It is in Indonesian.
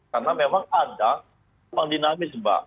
karena memang ada penumpang dinamis pak